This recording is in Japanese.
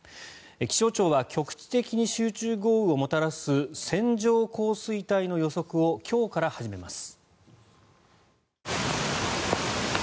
気象庁は局地的に集中豪雨をもたらす線状降水帯の予測を今日から始めます。